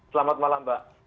selamat malam mbak